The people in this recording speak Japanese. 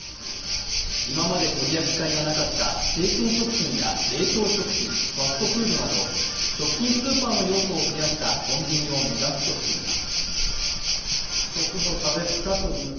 今まで取り扱いがなかった生鮮食料や冷凍食品、ファストフードなど食品スーパーの要素を増やしたコンビニを目指すとしています。